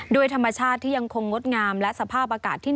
ด้วยธรรมชาติที่ยังคงงดงามและสภาพอากาศที่หนาวเย็น